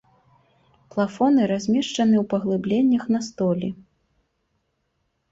Плафоны размешчаны ў паглыбленнях на столі.